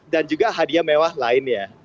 dan juga hadiah mewah lainnya